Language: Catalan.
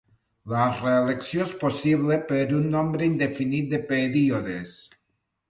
La reelecció és possible per un nombre indefinit de períodes.